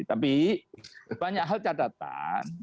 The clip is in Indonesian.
tapi banyak hal catatan